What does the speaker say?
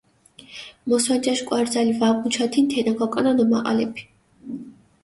მოსვანჯაშ კვარზალი ვა მუჩათინ თენა გოკონანო მაჸალეფი.